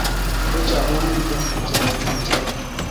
buch amu miten bik chemaimuchige